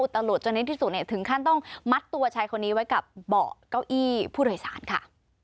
ตำรวจจนในที่สุดถึงขั้นต้องมัดตัวชายคนนี้ไว้กับเบาะเก้าอี้ผู้โดยสารค่ะ